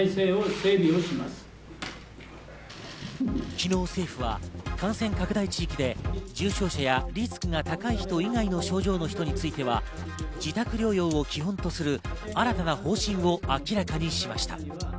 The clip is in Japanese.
昨日、政府は感染拡大地域で重症者やリスクが高い人以外の症状の人については、自宅療養を基本とする新たな方針を明らかにしました。